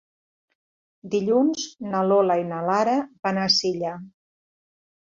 Dilluns na Lola i na Lara van a Silla.